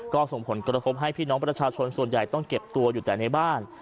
ก็ส่งผลกระทบให้พี่น้องประชาชนส่วนใหญ่ต้องเก็บตัวอยู่แต่ในบ้าน